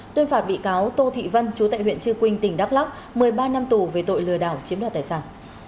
tuyên phạt bị cáo tô thị vân chú tại huyện trư quynh tỉnh đắk lóc một mươi ba năm tù về tội lừa đảo chiếm đoạt tài sản